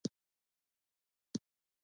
ګدین ګنډۍ ډیګره او پایتاوې ځانګړی لباس دی.